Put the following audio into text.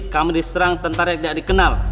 kami diserang tentara yang tidak dikenal